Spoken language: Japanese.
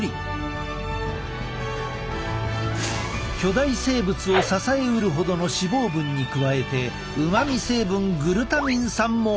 巨大生物を支えうるほどの脂肪分に加えてうまみ成分グルタミン酸も豊富。